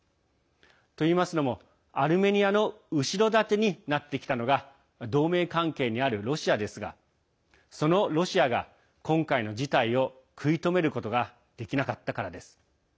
といいますのも、アルメニアの後ろ盾になってきたのが同盟関係にあるロシアですがそのロシアが今回の事態を食い止めることができなかったからです。